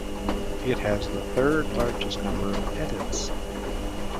It has the third-largest number of edits.